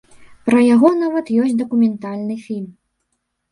Пра яго нават ёсць дакументальны фільм.